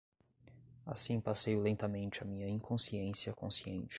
Assim passeio lentamente a minha inconsciência consciente